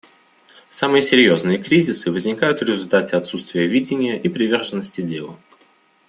Самые серьезные кризисы возникают в результате отсутствия видения и приверженности делу.